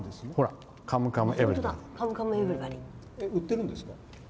売ってるんですか？